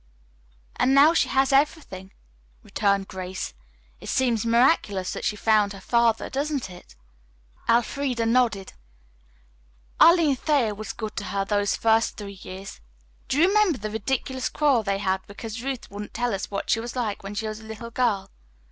"And now she has everything," returned Grace. "It seems miraculous that she found her father, doesn't it?" Elfreda nodded. "Arline Thayer was good to her those first three years. Do you remember the ridiculous quarrel they had because Ruth wouldn't tell us what she was like when she was a little girl?"